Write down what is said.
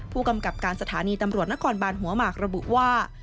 ผู้กำกับการสถานีตำรวจนครบานหัวหมากระบุว่า